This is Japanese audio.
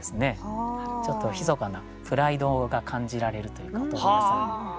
ちょっとひそかなプライドが感じられるというかお豆腐屋さんに。